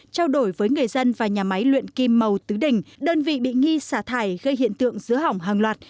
trao đổi với người dân và nhà máy luyện kim màu tứ đình đơn vị bị nghi xả thải gây hiện tượng dứa hỏng hàng loạt